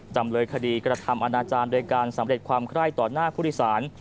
จำเลยคดีกระทำอนาจารย์โดยการสำเร็จความไคร้ต่อหน้าผู้โดยสาร